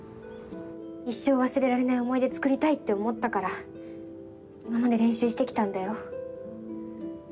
一生忘れられない思い出つくりたいって思ったから今まで練習してきたんだよ？